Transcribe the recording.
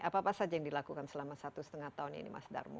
apa apa saja yang dilakukan selama satu setengah tahun ini mas darmo